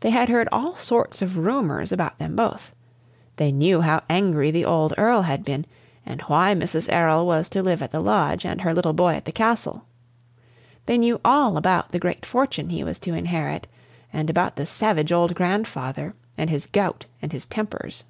They had heard all sorts of rumors about them both; they knew how angry the old Earl had been, and why Mrs. Errol was to live at the lodge and her little boy at the castle; they knew all about the great fortune he was to inherit, and about the savage old grandfather and his gout and his tempers.